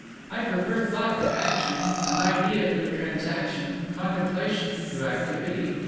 I prefer thought to action, an idea to a transaction, contemplation to activity.